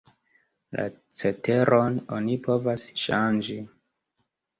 La ceteron oni povas ŝanĝi.